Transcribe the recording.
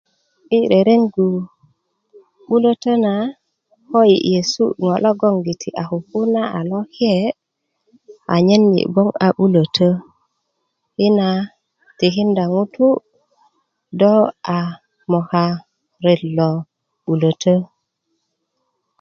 yi' rereŋgu 'bulötö na ko yi' yesu ŋo' logongiti a kukuna a loke' anyen yi gboŋ a 'bulötö yina tilinda ŋutu do a moka ret lo 'bulötö